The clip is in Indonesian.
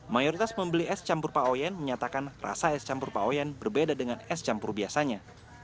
mayoritas membeli es campur paoyen menyatakan rasa es campur paoyen berbeda dengan es campur biasanya